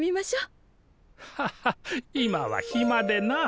ハハッ今はひまでなあ。